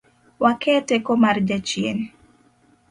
Wake teko mar jachien